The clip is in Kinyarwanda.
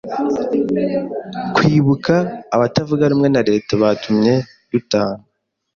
Kwibuka abatavuga rumwe na leta batumye dutana